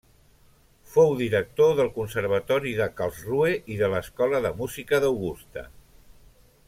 Fou director del Conservatori de Karlsruhe i de l'Escola de Música d'Augusta.